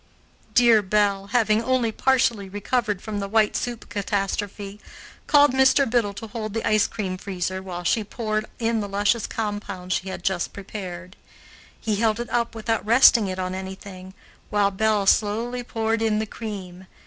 Dear Belle, having only partially recovered from the white soup catastrophe, called Mr. Biddle to hold the ice cream freezer while she poured in the luscious compound she had just prepared. He held it up without resting it on anything, while Belle slowly poured in the cream.